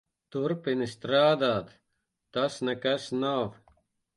Turpini strādāt. Tas nekas nav.